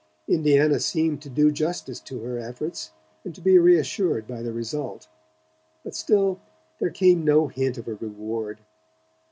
Indiana seemed to do justice to her efforts and to be reassured by the result; but still there came no hint of a reward.